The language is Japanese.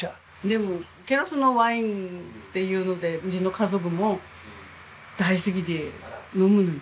でもケロスのワインっていうのでうちの家族も大好きで飲むのよ。